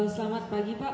selamat pagi pak